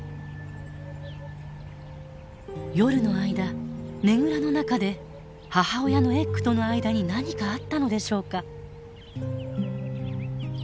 夜の間ねぐらの中で母親のエッグとの間に何かあったのでしょうか？